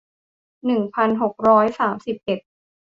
หนึ่งพันหกร้อยสามสิบเอ็ด